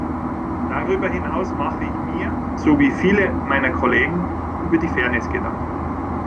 Darüber hinaus mache ich mir, so wie viele meiner Kollegen, über die Fairness Gedanken.